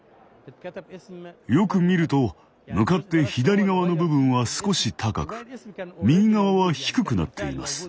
よく見ると向かって左側の部分は少し高く右側は低くなっています。